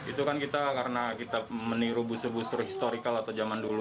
itu kan kita karena kita meniru busur busur historikal atau zaman dulu